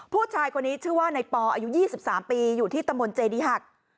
ผู้ชายคนนี้ชื่อว่าในปออายุ๒๓ปีอยู่ที่ตะมนต์เจดีหัก